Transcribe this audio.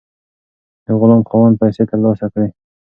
د غلام خاوند پیسې ترلاسه کړې.